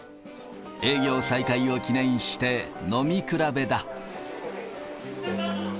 営業再開を記念して、飲み比べだ。